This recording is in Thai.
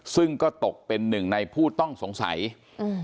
ซึ่งก็ตกเป็นหนึ่งในผู้ต้องสงสัยอืม